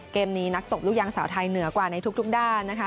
เกมนี้นักตบลูกยางสาวไทยเหนือกว่าในทุกด้านนะคะ